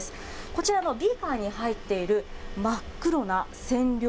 こちらのビーカーに入っている真っ黒な染料。